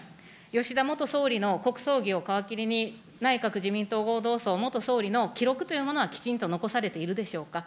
吉田元総理の国葬儀を皮切りに、内閣・自民党合同葬、元総理の記録というものはきちんと残されているでしょうか。